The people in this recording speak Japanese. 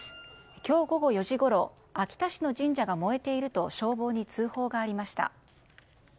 今日午後４時ごろ秋田市の神社が燃えていると消防に通報がありました。